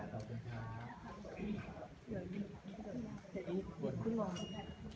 ขอบคุณครับ